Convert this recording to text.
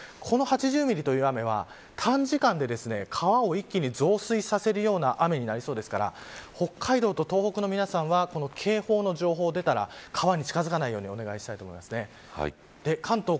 こちらは台風とは別の原因の不安定性の雨なんですけどこの８０ミリという雨は短時間で川を一気に増水させるような雨になりそうですから北海道と東北の皆さんはこの警報の情報が出たら川に近づかないようにお願いしたいと思います。